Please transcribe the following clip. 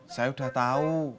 saya udah tau